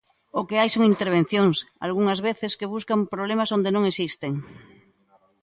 O que hai son intervencións, algunhas veces, que buscan problemas onde non existen.